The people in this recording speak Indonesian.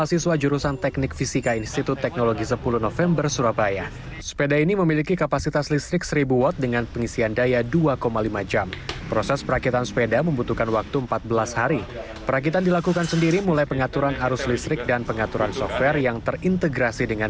saat ini sepeda baru dibuat untuk kebutuhannya sendiri